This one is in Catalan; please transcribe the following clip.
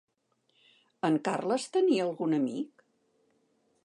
En Carles tenia algun amic?